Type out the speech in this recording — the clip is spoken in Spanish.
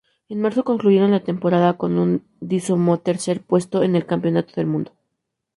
En marzo, concluyeron la temporada con un decimotercer puesto en el Campeonato del mundo.